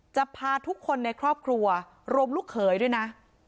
จะพาทุกคนในครอบครัวรวมลูกเขยด้วยนะ